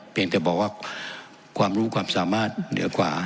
เพียงแต่บอกว่าความรู้ความสามารถเหนือกว่า